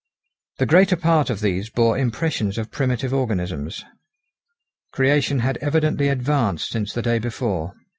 The greater part of these bore impressions of primitive organisms. Creation had evidently advanced since the day before.